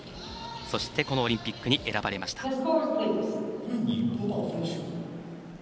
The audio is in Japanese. そして、このオリンピック選ばれました。